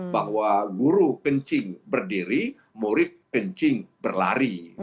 bahwa guru kencing berdiri murid kencing berlari